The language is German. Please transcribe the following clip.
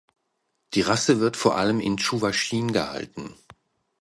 Die Rasse wird vor allem in Tschuwaschien gehalten.